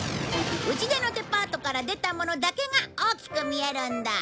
うちでのデパートから出たものだけが大きく見えるんだ。